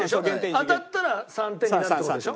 当たったら３点になるって事でしょ？